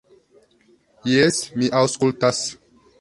"Jes, mi aŭskultas."